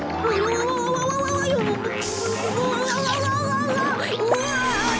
うわ！